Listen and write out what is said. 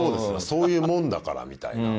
そういうもんだからみたいな。